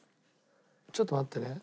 ちょっと待ってね。